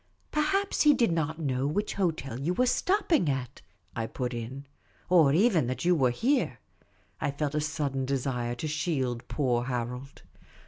" Perhaps he did n't know which hotel you were stopping at," I put in, " Or even that you were here." I felt a sudden desire to shield poor Harold.